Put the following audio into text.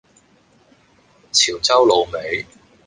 潮州滷味